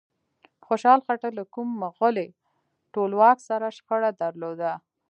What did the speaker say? خوشحال خټک له کوم مغولي ټولواک سره شخړه درلوده؟